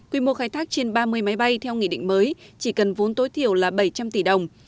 quy mô khai thác trên ba mươi máy bay theo nghị định mới chỉ cần vốn tối thiểu là bảy trăm linh tỷ đồng